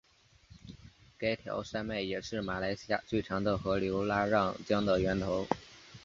该条山脉也是马来西亚最长的河流拉让江的源头。